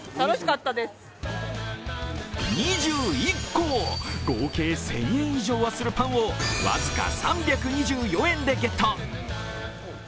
２１個、合計１０００円以上はするパンを僅か３２４円でゲット。